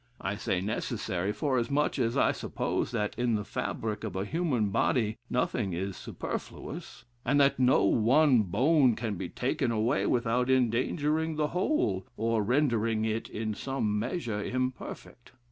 I say necessary, for as much, as I suppose, that in the fabric of a human body nothing is superfluous, and that no one bone can be taken away without endangering the whole, or rendering it, in some measure, imperfect.